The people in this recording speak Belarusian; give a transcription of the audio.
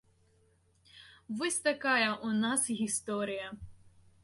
Вось такая ў нас гісторыя.